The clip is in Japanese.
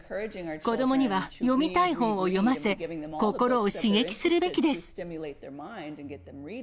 子どもには読みたい本を読ませ、心を刺激するべきです。